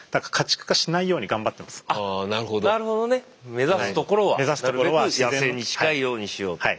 目指すところはなるべく野生に近いようにしようと。